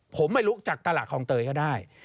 ผมไม่รู้จักตลาดของเตยก็ได้